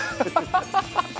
ハハハハ！